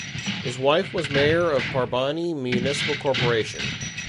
His wife was mayor of Parbhani Municipal Corporation.